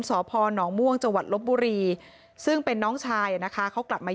สพนม่วงจังหวัดลบบุรีซึ่งเป็นน้องชายนะคะเขากลับมา